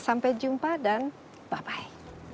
sampai jumpa dan bye bye